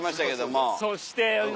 そして。